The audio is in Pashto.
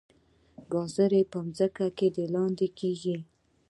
ګازرې په ځمکه کې لاندې کیږي